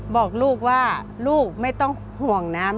บอกลูกว่าลูกไม่ต้องห่วงน้ำ